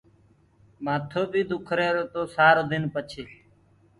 مآٿو بيٚ دُک ريهرو تو سآرو دن پڇي